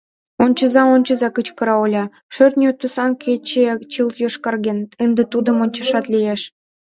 — Ончыза, ончыза, — кычкыра Оля, — шӧртньӧ тӱсан кече чылт йошкарген, ынде тудым ончашат лиеш!